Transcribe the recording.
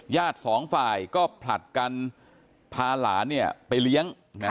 สองฝ่ายก็ผลัดกันพาหลานไปเลี้ยง